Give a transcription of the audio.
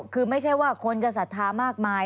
คือไม่ใช่ว่าคนจะศรัทธามากมาย